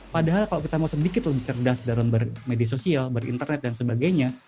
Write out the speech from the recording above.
padahal kalau kita mau sedikit lebih cerdas dalam bermedia sosial berinternet dan sebagainya